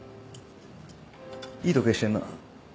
いい時計してんな。